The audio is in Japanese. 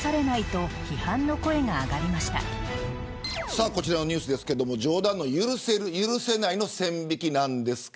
さあ、こちらのニュースですが冗談の許せる許せないの線引きです。